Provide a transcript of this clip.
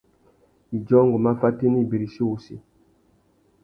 Idjô, ngu má fatēna ibirichi wussi.